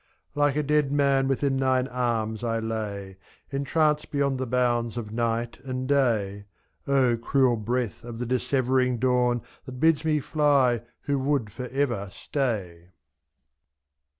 hike a dead man within thine arms I lay^ Entranced beyond the bounds of night and day — If. O cruel breath of the dissevering dawn That bids me fiy who would for ever stay!